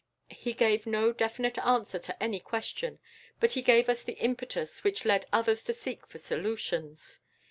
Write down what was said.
He gave no definite answer to any question, but he gave us the impetus which led others to seek for solutions.